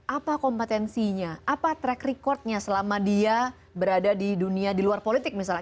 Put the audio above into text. apa kompetensinya apa track recordnya selama dia berada di dunia di luar politik misalnya